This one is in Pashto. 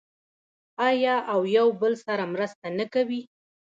آیا او یو بل سره مرسته نه کوي؟